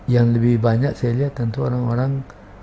yang lebih banyak saya lihat tentu orang orang